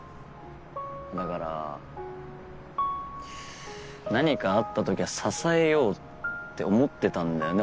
だから何かあった時は支えようって思ってたんだよね